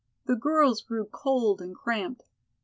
The girls grew cold and cramped.